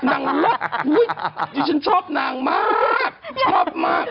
นางลัดฉันชอบนางมากชอบมาก